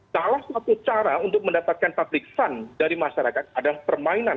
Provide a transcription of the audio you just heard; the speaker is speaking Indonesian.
salah satu cara untuk mendapatkan public fund dari masyarakat adalah permainan